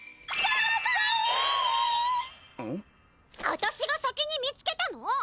あたしが先に見つけたの。